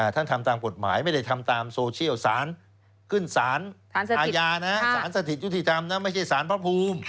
ท่านทำตามบทหมายไม่ได้ทำตามโซเชียลขึ้นศาลอาญาศาลสถิตยุทธิธรรมไม่ใช่ศาลพระภูมิ